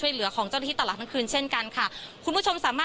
พูดสิทธิ์ข่าวธรรมดาทีวีรายงานสดจากโรงพยาบาลพระนครศรีอยุธยาครับ